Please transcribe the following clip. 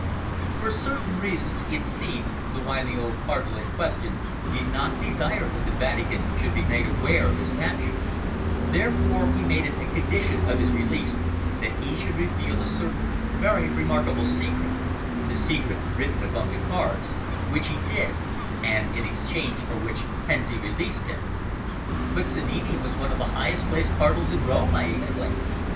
For certain reasons, it seemed, the wily old Cardinal in question did not desire that the Vatican should be made aware of his capture, therefore he made it a condition of his release that he should reveal a certain very remarkable secret the secret written upon the cards which he did, and in exchange for which Pensi released him." "But Sannini was one of the highest placed Cardinals in Rome," I exclaimed.